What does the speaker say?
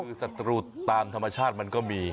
คือศัตรูตามธรรมชาติมันก็มี